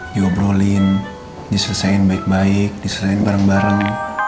dihobrolin diselesaikan baik baik diselesaikan bareng bareng